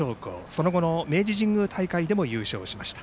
その後の明治神宮大会でも優勝しました。